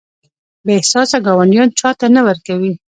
بې احساسه ګاونډیان چاته نه ورکوي.